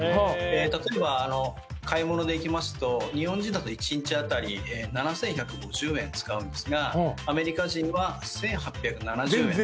例えば買い物でいきますと日本人だと１日当たり７１５０円使うんですがアメリカ人は１８７０円と。